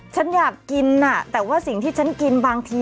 ฉันอยากกินน่ะแต่ว่าสิ่งที่ฉันกินบางที